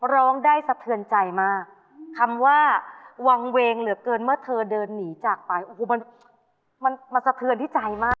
ร้องได้สะเทือนใจมากคำว่าวางเวงเหลือเกินเมื่อเธอเดินหนีจากไปโอ้โหมันมันสะเทือนที่ใจมาก